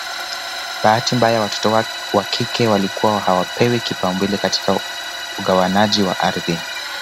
Bahati mbaya watoto wa kike walikuwa hawapewi kipaumbele katika ugawanaji wa ardhi